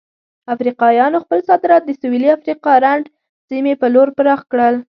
افریقایانو خپل صادرات د سویلي افریقا رنډ سیمې په لور پراخ کړل.